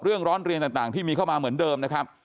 ร้อนเรียนต่างที่มีเข้ามาเหมือนเดิมนะครับ